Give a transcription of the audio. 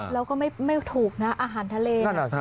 แล้วก็ไม่ถูกนะอาหารทะเล